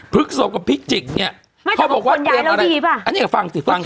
พฤศพกับพี่จิกเนี่ยเขาบอกว่าเทียบอะไรอันนี้อย่าฟังสิฟังสิ